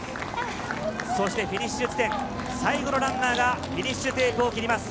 フィニッシュ地点に最後のランナーがフィニッシュテープを切ります。